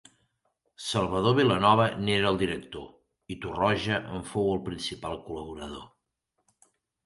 Salvador Vilanova n'era el director i Torroja en fou el principal col·laborador.